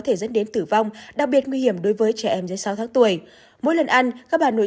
nguy hiểm tử vong đặc biệt nguy hiểm đối với trẻ em dưới sáu tháng tuổi mỗi lần ăn các bạn nội